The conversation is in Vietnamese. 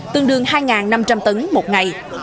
tương đương hai năm trăm linh tấn một ngày